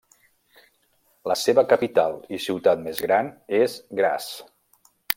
La seva capital i ciutat més gran és Graz.